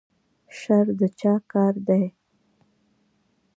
شر د چا کار دی؟